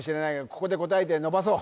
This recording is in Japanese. ここで答えてのばそう